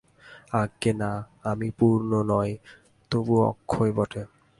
আজ্ঞে না, আমি পূর্ণ নই, তবু অক্ষয় বটে।